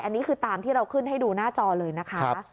อันนี้คือตามที่เราขึ้นให้ดูหน้าจอเลยนะคะ